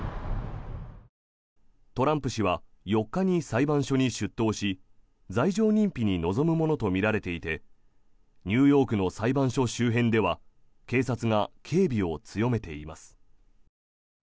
トランプ氏は４日に裁判所に出頭し罪状認否に臨むものとみられていてニューヨークの裁判所周辺では警察が警備を強めています。